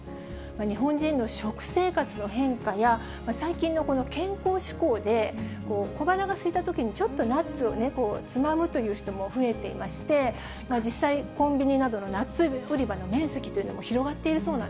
日本人の食生活の変化や、最近の健康志向で、小腹がすいたときに、ちょっとナッツをつまむという人も増えていまして、実際、コンビニなどのナッツ類売り場の面積というのも広がっているそう